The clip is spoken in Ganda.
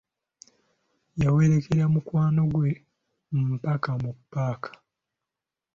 Yawerekera mukwano gwe mpaka mu paaka.